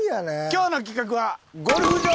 今日の企画は。